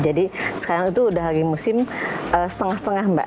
jadi sekarang itu udah lagi musim setengah setengah mbak